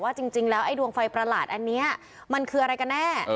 จริงแล้วไอ้ดวงไฟประหลาดอันนี้มันคืออะไรกันแน่